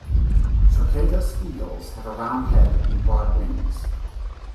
"Circaetus" eagles have a rounded head and broad wings.